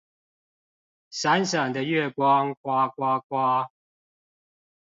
閃閃的月光呱呱呱